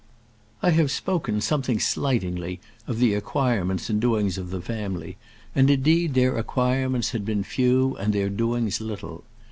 I have spoken something slightingly of the acquirements and doings of the family; and indeed their acquirements had been few and their doings little.